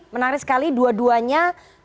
menarik sekali dua duanya